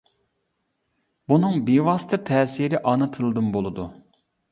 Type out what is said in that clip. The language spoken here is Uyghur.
بۇنىڭ بىۋاسىتە تەسىرى ئانا تىلدىن بولىدۇ.